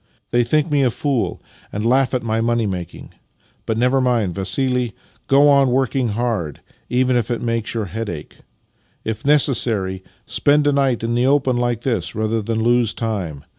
Tliey tkink me a fool, and laugh at my money making : but never mind, Vassili — go on working hard, even if it makes 3'our head ache. If necessary, spend a night in the open hke this rather than lose time.